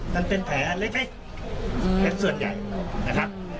มันเป็นแผลเล็กเป็นส่วนใหญ่นะครับ